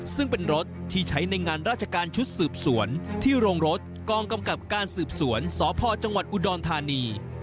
ซึ่งเป็นรถที่ใช้ในงานราชการชุดสืบสวนที่โรงรถกองกำกับการสืบสวนสพจังหวัดอุดรธานี